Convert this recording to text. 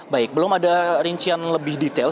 baik belum ada rincian lebih detail